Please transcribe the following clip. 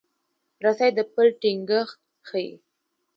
رسۍ د پل ټینګښت ښيي.